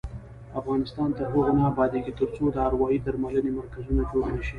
افغانستان تر هغو نه ابادیږي، ترڅو د اروايي درملنې مرکزونه جوړ نشي.